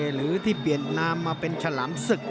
หรือที่เปลี่ยนนามมาเป็นฉลามศึก